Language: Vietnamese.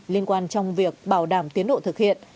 liên quan trong việc bảo đảm tiến độ thực hiện